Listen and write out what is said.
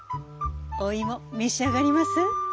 お芋召し上がります？